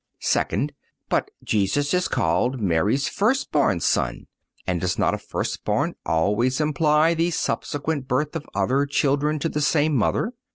Second—But Jesus is called Mary's first born Son, and does not a first born always imply the subsequent birth of other children to the same mother?